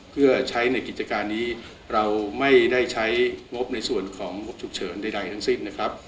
เพื่อใช้ในกิจการนี้เราไม่ได้ใช้งบในส่วนของงบฉุกเฉินใดทั้งสิ้นนะครับ